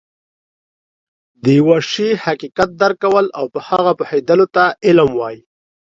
د يوه شي حقيقت درک کول او په هغه پوهيدلو ته علم وایي